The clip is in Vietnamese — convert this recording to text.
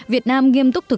việt nam nghiêm túc thuộc